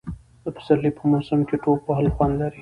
د پسرلي په موسم کې ټوپ وهل خوند لري.